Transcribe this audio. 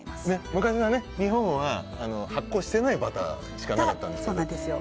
昔は日本は発酵していないバターしかそうなんですよ。